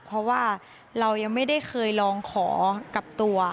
เพราะว่าเรายังไม่ได้เคยลองขอกับตัว